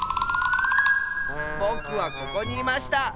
ぼくはここにいました！